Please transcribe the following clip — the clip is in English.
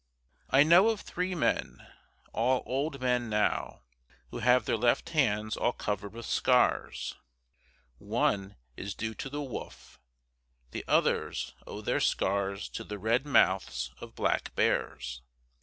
I know of three men, all old men now, who have their left hands all covered with scars. One is due to the wolf; the others owe their scars to the red mouths of black bears.